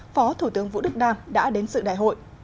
phó thủ tướng vũ đức đam đã đến sự đại hội